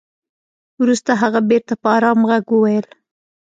وروسته هغه بېرته په ارام ږغ وويل.